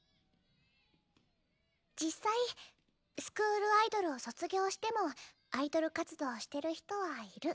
実際スクールアイドルを卒業してもアイドル活動してる人はいる。